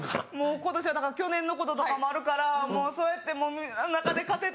今年はだから去年のこととかもあるからもうそうやってもうの中で勝てて。